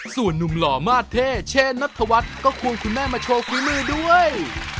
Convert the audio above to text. ส่วนนุ่มหล่อมาสเท่เช่นนัทธวัฒน์ก็ควงคุณแม่มาโชว์ฝีมือด้วย